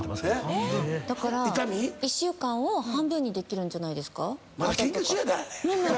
１週間を半分にできるんじゃないですか？